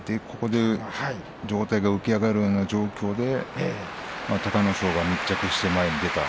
上体が浮き上がるような状況で隆の勝が密着して前に出た。